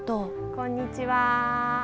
こんにちは。